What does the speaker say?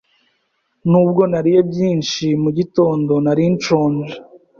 Nubwo nariye byinshi mu gitondo, nari nshonje.